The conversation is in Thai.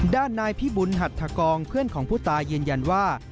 ด้านนายพี่บุญหัทธกองเพื่อนของผู้ตายยืนยันว่า